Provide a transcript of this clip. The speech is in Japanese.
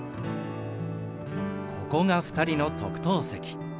ここが２人の特等席。